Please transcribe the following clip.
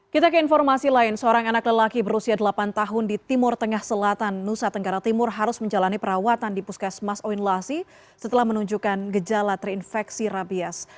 kita ke informasi lain seorang anak lelaki berusia delapan tahun di timur tengah selatan nusa tenggara timur harus menjalani perawatan di puskesmas oin lasi setelah menunjukkan gejala terinfeksi rabies